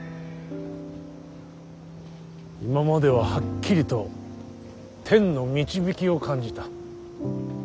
今までははっきりと天の導きを感じた。